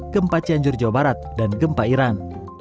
gempa cianjur jawa barat dan gempa iran